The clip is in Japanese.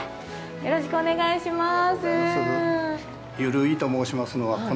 よろしくお願いします。